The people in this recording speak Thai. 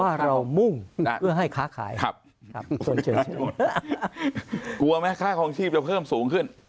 ว่าเรามุ่งเพื่อให้ค้าขายครับกลัวไหมค่าคลองชีพจะเพิ่มสูงขึ้น